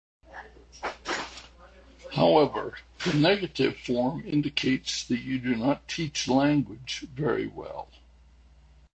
However, the negative form indicates that you do not teach language very well.